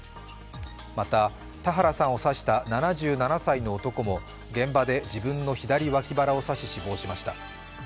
また田原産を刺した７７歳の男も現場で自分の左脇腹を刺し死亡しました。